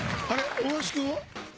大橋君は？